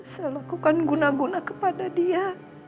saya lakukan guna guna kepada dia